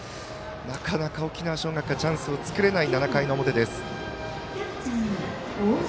なかなか、沖縄尚学がチャンスを作れない７回の表。